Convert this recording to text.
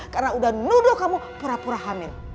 karena udah nuduh kamu pura pura hamil